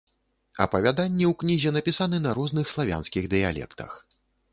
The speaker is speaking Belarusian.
Апавяданні ў кнізе напісаны на розных славянскіх дыялектах.